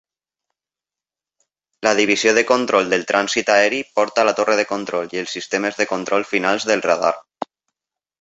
La divisió de control del trànsit aeri porta la torre de control i els sistemes de control finals del radar.